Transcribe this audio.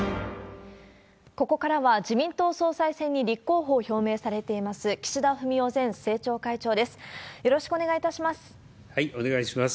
ここからは、自民党総裁選に立候補を表明されています、岸田文雄前政調会長です。